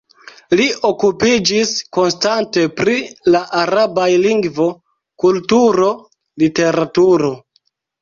Li okupiĝis konstante pri la arabaj lingvo, kulturo, literaturo.